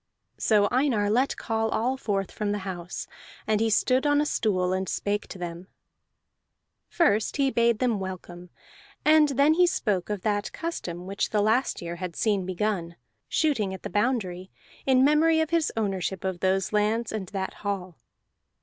So Einar let call all forth from the house, and he stood on a stool, and spake to them. First he bade them welcome, and then he spoke of that custom which the last year had seen begun: shooting at the boundary in memory of his ownership of those lands and that hall.